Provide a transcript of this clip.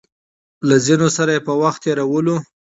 له ځينو سره يې په وخت تېرولو